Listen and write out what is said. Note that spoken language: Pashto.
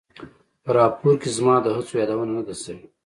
په راپور کې زما د هڅو یادونه نه ده شوې.